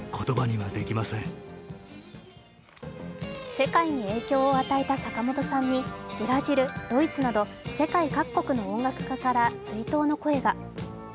世界に影響を与えた坂本さんにブラジル、ドイツなど世界各国の音楽家から追悼の声が。